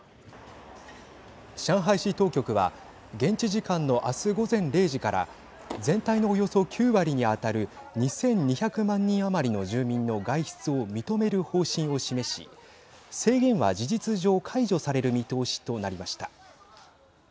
上海市当局は現地時間のあす午前０時から全体のおよそ９割に当たる２２００万人余りの住民の外出を認める方針を示し制限は事実上解除される見通しとなりました。